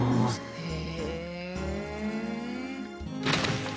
へえ！